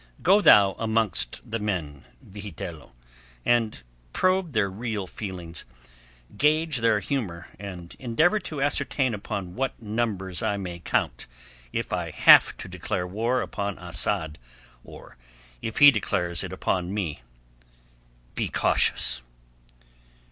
Go thou amongst the men, Vigitello, and probe their real feelings, gauge their humour and endeavour to ascertain upon what numbers I may count if I have to declare war upon Asad or if he declares it upon me. Be cautious."